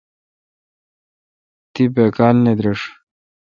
تی باکال نہ درݭ ۔